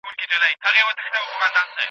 ټول اسناد په پوره مینه سره ترتیب سول.